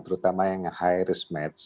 terutama yang high risk match